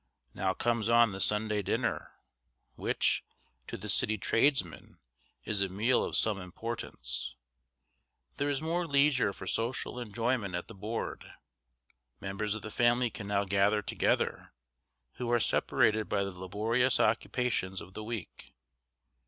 Now comes on the Sunday dinner, which, to the city tradesman, is a meal of some importance. There is more leisure for social enjoyment at the board. Members of the family can now gather together, who are separated by the laborious occupations of the week.